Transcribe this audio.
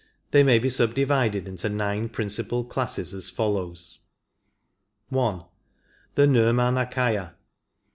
They may be subdivided into nine principal classes as follows :— 1. The Nirmdnakdya.